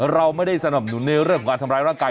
เราไม่ได้สนับสนุนในเรื่องของการทำร้ายร่างกาย